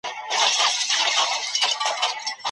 د لاس لیکنه د دې سمندر د جوړولو بهیر دی.